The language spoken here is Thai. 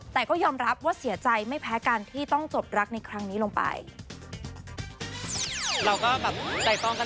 แต่ก็ยอมรับว่าเสียใจไม่แพ้กันที่ต้องจบรักในครั้งนี้ลงไป